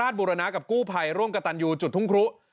บุรณะกับกู้ภัยร่วมกับตันยูจุดทุ่งครุ